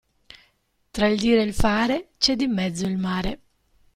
Tra il dire e il fare c'è di mezzo il mare.